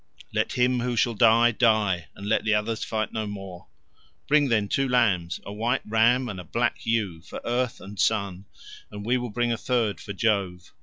Let him who shall die, die, and let the others fight no more. Bring, then, two lambs, a white ram and a black ewe, for Earth and Sun, and we will bring a third for Jove.